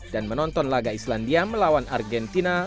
dan menonton laga islandia melawan argentina